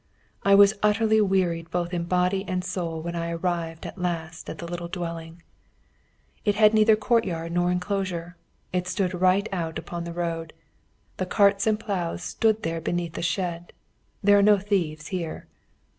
I was utterly wearied both in body and soul when I arrived at last at the little dwelling. It had neither courtyard nor enclosure. It stood right out upon the road. The carts and ploughs stood there beneath a shed. There are no thieves here.